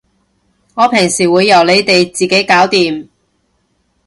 我平時會由你哋自己搞掂